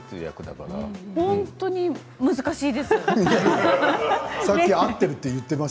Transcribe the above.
本当に難しいです。